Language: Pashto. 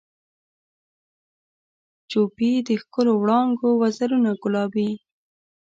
جوپې د ښکلو وړانګو وزرونه ګلابي